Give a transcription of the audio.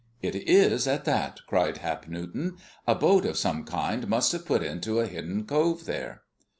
"It is, at that!" cried Hap Newton. "A boat of some kind must have put into a hidden cove there."